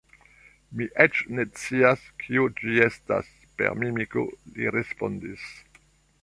Mi eĉ ne scias, kio ĝi estas « per mimiko », li respondis.